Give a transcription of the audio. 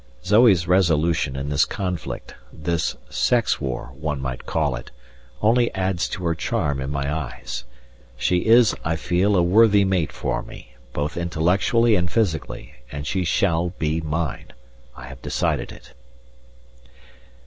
Zoe's resolution in this conflict, this sex war one might call it, only adds to her charm in my eyes; she is, I feel, a worthy mate for me, both intellectually and physically, and she shall be mine I have decided it.